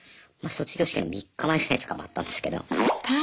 卒業式の３日前ぐらいに捕まったんですけど。